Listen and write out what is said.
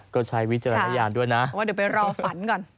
ก็ใช้วิจารณามัดอย่างด้วยนะ